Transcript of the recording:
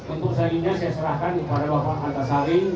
untuk selanjutnya saya serahkan kepada bapak antasari